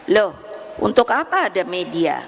loh untuk apa ada media